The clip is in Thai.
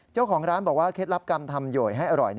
เจ้าของร้านบอกว่าเคล็ดลับการทำโยยให้อร่อย